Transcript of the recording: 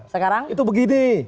sekarang itu begini